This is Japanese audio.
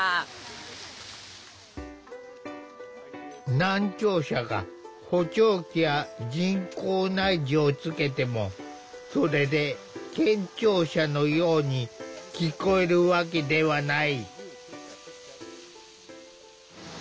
難聴者が補聴器や人工内耳をつけてもそれで健聴者のように聞こえるわけではない。